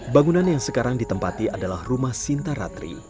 bangunan yang sekarang ditempati adalah rumah sinta ratri